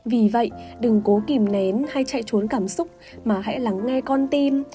vì vậy đừng cố kìm nén hay chạy trốn cảm xúc mà hãy lắng nghe con tim